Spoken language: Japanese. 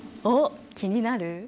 おっ気になる？